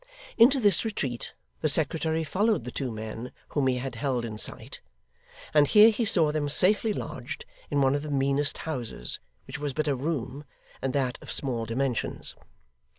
Into this retreat, the secretary followed the two men whom he had held in sight; and here he saw them safely lodged, in one of the meanest houses, which was but a room, and that of small dimensions.